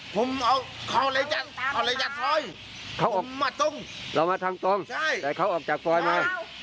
พุ่งเขาเลยจากซอยเรามาทางตรงแต่เขาออกจากซอยมา